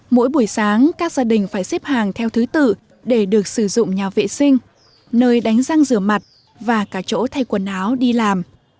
mỗi buổi sáng các gia đình phải xếp hàng theo thứ tự để được sử dụng nhà vệ sinh nơi đánh răng rửa mặt và cả chỗ thay quần áo đi làm